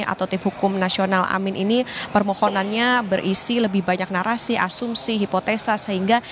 atau tim hukum nasional amin ini permohonannya berisi lebih banyak narasi asumsi hipotesa sehingga